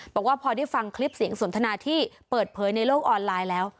เพราะพอได้ฟังที่คลิปสีสนับสนานที่เปิดเผยในโลกออนไลน์แล้ว